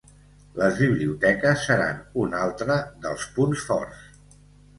Les biblioteques seran un altre dels punts forts.